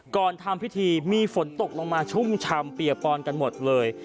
ทำพิธีมีฝนตกลงมาชุ่มชำเปียกปอนกันหมดเลย